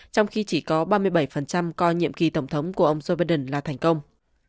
trong khi chỉ có ba mươi bảy coi nhiệm kỳ tổng thống của ông joe biden là thành công